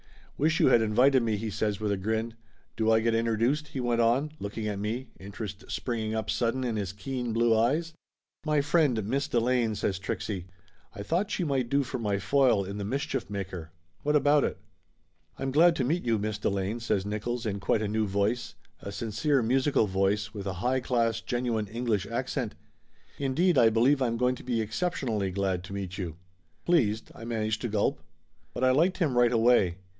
"Wish you had invited me!" he says with a grin. "Do I get introduced?" he went on, looking at me, interest springing up sudden in his keen blue eyes. "My friend Miss Delane," says Trixie. "I thought she might do for my foil in The Mischief Maker. What about it?" "I'm glad tc meet you, Miss Delane," says Nickolls in quite a new voice; a sincere, musical voice, with a high class genuine English accent. "Indeed 1 believe I'm going to be exceptionally glad tc meet you." "Pleased!" I managed to gulp. But I liked him right away.